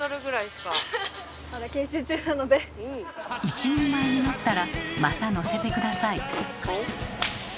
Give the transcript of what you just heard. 一人前になったらまた乗せて下さい。